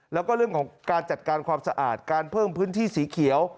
แล้วก็เรื่องของการจัดการความสะอาดการเพิ่มพื้นที่สีเขียว